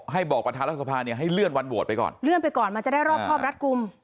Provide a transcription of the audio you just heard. ให้บอกประธานรัฐสภาเนี่ยให้เลื่อนวันโหวตไปก่อนเลื่อนไปก่อนมันจะได้รอบครอบรัดกลุ่ม